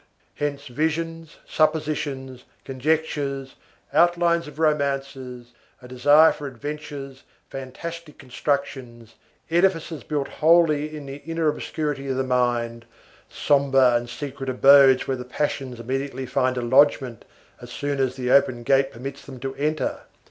Hence visions, suppositions, conjectures, outlines of romances, a desire for adventures, fantastic constructions, edifices built wholly in the inner obscurity of the mind, sombre and secret abodes where the passions immediately find a lodgement as soon as the open gate permits them to enter.